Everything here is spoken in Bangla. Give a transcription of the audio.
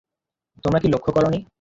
তোমরা কি লক্ষ্য করনি?